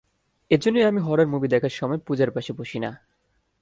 এজন্যই আমি horror movie দেখার সময়, পুজার পাশে বসি না।